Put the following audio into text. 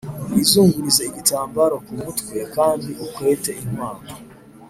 Wizungurize igitambaro ku mutwe kandi ukwete inkwato